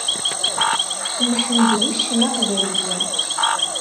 Mḥend d uccen aqbayli.